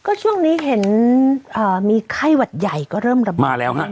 ก็ช่วงนี้เห็นมีไข้หวัดใหญ่ก็เริ่มระบาดมาแล้วฮะ